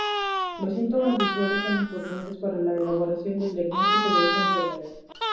Los síntomas visuales son importantes para la elaboración del diagnóstico de esta enfermedad.